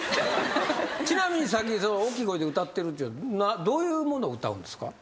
ちなみにさっき大きい声で歌ってるっていうのはどういうものを歌うんですか？